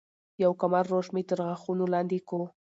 يو کمر روش مي تر غاښو لاندي کو